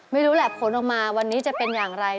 ไม่รู้แหละผลออกมาวันนี้จะเป็นอย่างไร